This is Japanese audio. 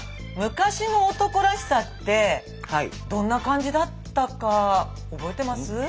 昔の男らしさってどんな感じだったか覚えてます？